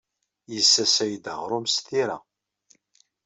Yessasay-d aɣrum s tira.